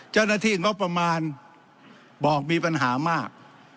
เจ้าหน้าที่งบประมาณบอกมีปัญหามาก